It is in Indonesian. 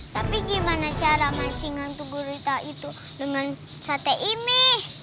tapi gimana cara mancingan untuk gurita itu dengan sate ini